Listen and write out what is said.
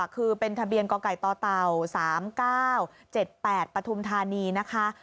คือเป็นทะเบียนกไก่ต่อเต่า๓๙๗๘ปฐุมธานีนะคะ